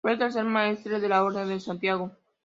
Fue el tercer maestre de la Orden de Santiago.